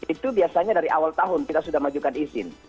itu biasanya dari awal tahun kita sudah mengajukan izin